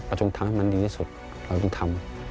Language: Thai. ประจงทางมันดีที่สุดเราจะทำ